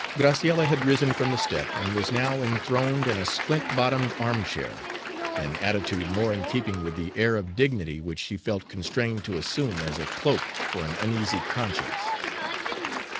Graciella had risen from the step, and was now enthroned in a splint bottomed armchair, an attitude more in keeping with the air of dignity which she felt constrained to assume as a cloak for an uneasy conscience.